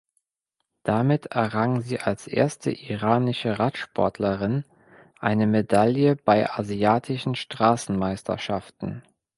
Damit errang sie als erste iranische Radsportlerin eine Medaille bei asiatischen Straßenmeisterschaften.